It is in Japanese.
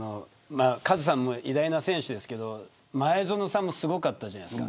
カズさんは偉大な選手ですけど前園さんもすごかったじゃないですか。